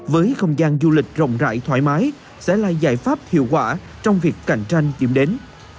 với không gian du lịch rộng rãi thoải mái sẽ là giải pháp hiệu quả trong việc cạnh tranh điểm đến